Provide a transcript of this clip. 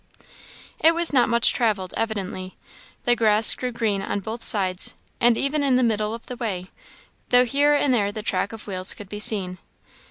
It was not much travelled, evidently; the grass grew green on both sides, and even in the middle of the way, though here and there the track of wheels could be seen.